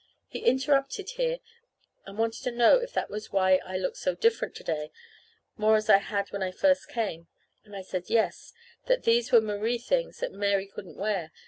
He interrupted here, and wanted to know if that was why I looked so different to day more as I had when I first came; and I said yes, that these were Marie things that Mary couldn't wear.